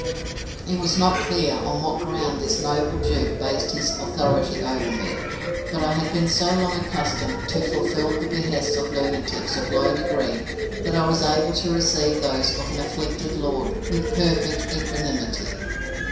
It was not clear on what ground this noble duke based his authority over me; but I had been so long accustomed to fulfil the behests of lunatics of low degree that I was able to receive those of an afflicted lord with perfect equanimity.